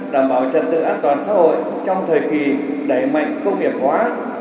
đảm bảo trật tự an toàn xã hội trong thời kỳ đẩy mạnh công nghiệp hóa